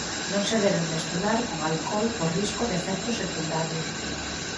Non se debe mesturar con alcol por risco de efectos secundarios.